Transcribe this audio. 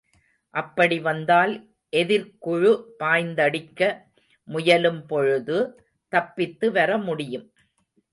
அப்படி வந்தால் எதிர்க்குழு பாய்ந்தடிக்க முயலும்பொழுது, தப்பித்து வர முடியும்.